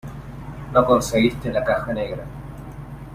no conseguiste la caja negra.